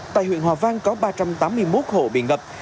tại huyện hòa vang có ba trăm tám mươi một hộ bị ngập